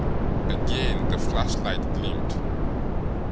Again the flashlight gleamed.